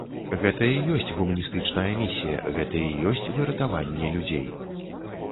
Гэта і ёсць гуманістычная місія, гэта і ёсць выратаванне людзей.